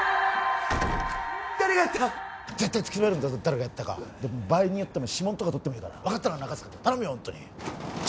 誰がやった絶対突き止めるんだぞ誰がやったか場合によって指紋とかとっていいから分かったか中塚君頼むよ